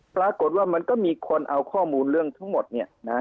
ปรากฏว่ามันก็มีคนเอาข้อมูลเรื่องทั้งหมดเนี่ยนะ